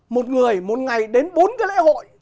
một người một ngày đến bốn cái lễ hội